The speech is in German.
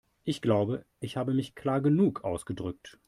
Ich glaube, ich habe mich klar genug ausgedrückt.